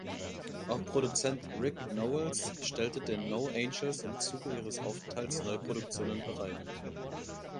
Auch Produzent Rick Nowels stellte den No Angels im Zuge ihres Aufenthalts Neuproduktionen bereit.